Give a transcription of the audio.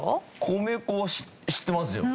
米粉は知ってますよ。